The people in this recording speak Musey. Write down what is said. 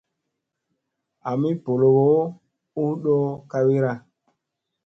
Ami bolowo u do kawira.